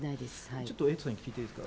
ちょっとエイトさんに聞いていいですか？